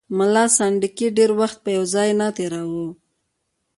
ملا سنډکي ډېر وخت په یو ځای نه تېراوه.